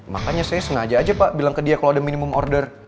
makanya saya sengaja aja pak bilang ke dia kalau ada minimum order